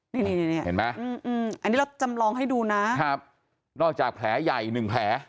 นี่อันนี้เราจำลองให้ดูนะครับนอกจากแผลใหญ่๑แผล